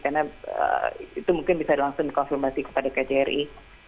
karena itu mungkin bisa langsung konfirmasi kepada kjri